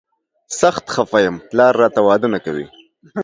سخت خفه یم، پلار راته واده نه کوي.